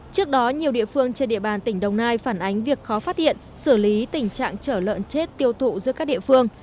trước đó nhiều địa phương trên địa bàn tỉnh đồng nai phản ánh việc khó phát hiện xử lý tình trạng trở lợn chết tiêu thụ giữa các địa phương